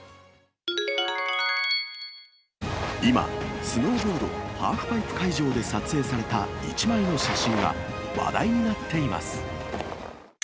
今、スノーボードハーフパイプ会場で撮影された一枚の写真が話題になっています。